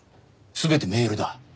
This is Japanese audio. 全てメールだ。